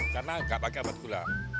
karena enggak pakai batu gula